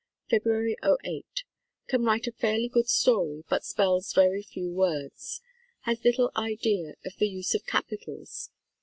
Feb. '08. Can write a fairly good story, but spells very few words. Has little idea of the use of capitals.